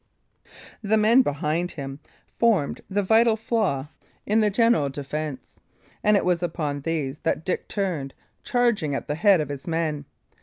The men behind him formed the vital flaw in the general defence; and it was upon these that Dick turned, charging at the head of his men.